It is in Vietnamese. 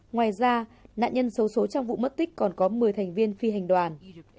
ngoài ra nạn nhân sâu số trong vụ mất tích còn có một mươi thành viên phi hành đoàn